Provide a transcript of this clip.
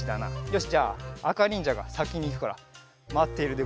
よしじゃああかにんじゃがさきにいくからまっているでござる。